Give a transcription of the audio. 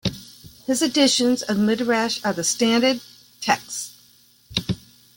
His editions of the "Midrash" are the standard texts.